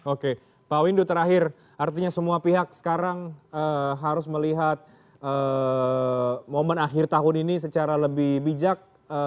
oke pak windu terakhir artinya semua pihak sekarang harus melihat momen akhir tahun ini secara lebih bijak